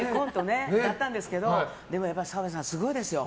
やったんですけどでも澤部さん、すごいですよ。